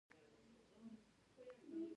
آیا د پلار رضا د خدای رضا نه ده؟